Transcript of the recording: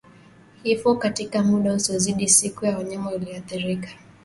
Kifo katika muda usiozidi siku kwa mnyama aliyeathirika